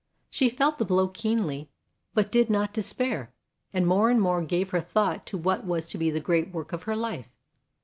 She felt the blow keenly, but did not despair and more and more gave her thought to what was to be the great work of her life.